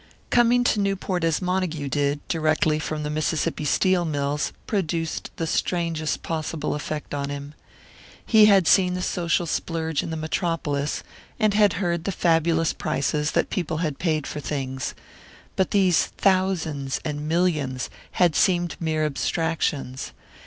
Coming to Newport as Montague did, directly from the Mississippi Steel Mills, produced the strangest possible effect upon him. He had seen the social splurge in the Metropolis, and had heard the fabulous prices that people had paid for things. But these thousands and millions had seemed mere abstractions.